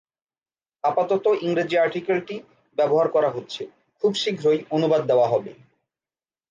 আপাতত ইংরেজি আর্টিকেল টি ব্যবহার করা হচ্ছে, খুব শীঘ্রই অনুবাদ দেওয়া হবে।